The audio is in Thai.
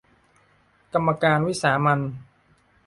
กรรมการวิสามัญ